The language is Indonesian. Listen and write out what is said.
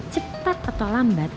cepat atau lambat